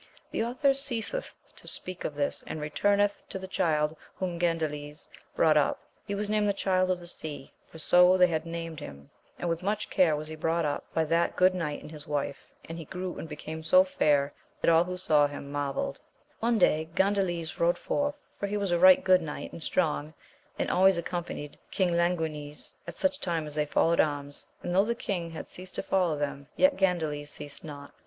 The author ceaseth to speak of this, and retumeth to the child whom Gandales brought up. He was called the Child of the Sea, for so they had named him, and with much care was he brought up by that * We have no word for the Donzel of the Spaniards, and Dammel of the French. 16 AMADIS OF^ GAUL, good knight and his wife, and he grew and became so fair, that all who saw him marvailed. One day Gan dales rode forth, for he was a right good knight and strong, and always accompanied King Languines at such time as they followed anns, and though the king had ceased to follow them, yet Gandales ceased not.